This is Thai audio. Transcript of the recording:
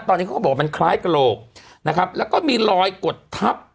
ตอนนี้เขาก็บอกว่ามันคล้ายกระโหลกนะครับแล้วก็มีรอยกดทับ